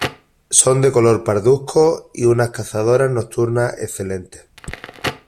Son de color parduzco y unas cazadoras nocturnas excelentes.